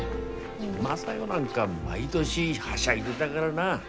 雅代なんか毎年はしゃいでだからな。